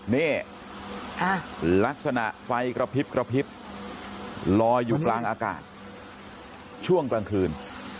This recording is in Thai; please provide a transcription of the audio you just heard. นี่ลักษณะไฟกระพริบกระพริบลอยอยู่กลางอากาศช่วงกลางคืน